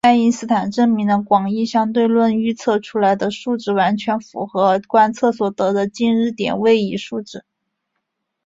爱因斯坦证明了广义相对论预测出的数值完全符合观测所得的近日点位移数值。